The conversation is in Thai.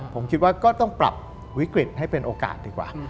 ผมคิดว่าก็ต้องปรับวิกฤตให้เป็นโอกาสดีกว่า